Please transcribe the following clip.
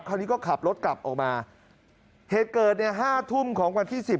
คราวนี้ก็ขับรถกลับออกมาเหตุเกิดเนี่ยห้าทุ่มของวันที่สิบ